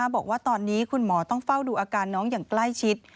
บอกว่าตอนนี้คุณหมอต้องเฝ้าดูอาการน้องอย่างใกล้ชิด